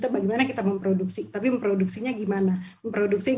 bagaimana kita memproduksi tapi memproduksi